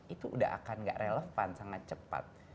itu udah akan gak relevan sangat cepat